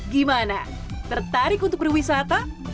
gimana tertarik untuk berwisata